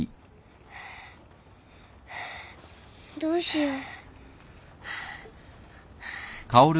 どうしよう。